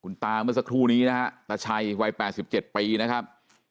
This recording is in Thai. คุณตาเมื่อสักครู่นี้นะฮะตะชัยวัยแปดสิบเจ็ดปีนะครับ